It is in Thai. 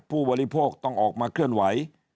ผู้บริโภคต้องออกมาเคลื่อนไหว